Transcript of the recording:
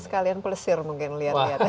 sekalian pelesir mungkin lihat lihat